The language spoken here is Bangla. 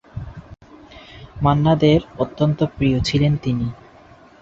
মান্না দে'র অত্যন্ত প্রিয় ছিলেন তিনি।